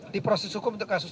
diproses hukum untuk kasus